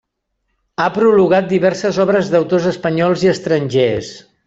Ha prologat diverses obres d'autors espanyols i estrangers.